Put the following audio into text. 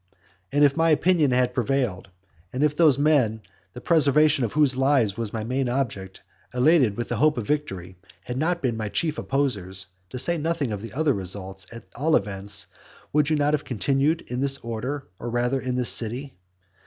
And if my opinion had prevailed, and if those men, the preservation of whose lives was my main object, elated with the hope of victory, had not been my chief opposers, to say nothing of other results, at all events you would never have continued in this order, or rather in this city.